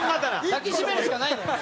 抱き締めるしかないのよ。